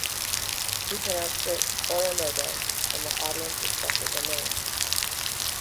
He pronounced it "Oronogo" and the audience accepted the name.